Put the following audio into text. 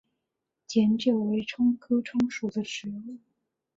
碱韭为葱科葱属的植物。